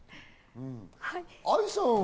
愛さんは？